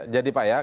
jadi pak ya